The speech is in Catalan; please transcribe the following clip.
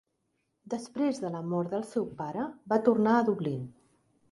Després de la mort del seu pare, va tornar a Dublín.